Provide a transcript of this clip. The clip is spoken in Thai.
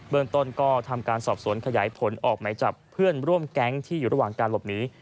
เมืองต้นก็ทำการสอบสวนขยายผลออกไหมจับเพื่อนร่วมแก๊งที่อยู่ระหว่างการหลบหนี